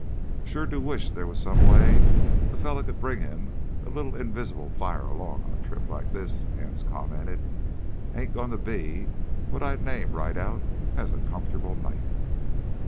"Sure do wish there was some way a fella could bring him a little invisible fire along on a trip like this," Anse commented. "Ain't goin' to be what I'd name right out as a comfortable night."